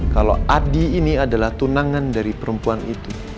kalau adi ini adalah tunangan dari perempuan itu